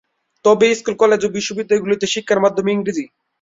তবে school, college ও বিশ্ববিদ্যালয়গুলিতে শিক্ষার মাধ্যম ইংরেজি।